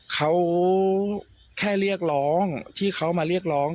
เขาแค่เรียกร้องที่เขามาเรียกร้อง